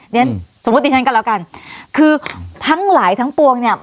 เรียนสมมุติดิฉันก็แล้วกันคือทั้งหลายทั้งปวงเนี่ย